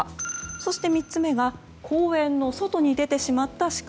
そして、３つ目が公園の外に出てしまったシカ。